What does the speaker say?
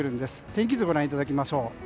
天気図をご覧いただきましょう。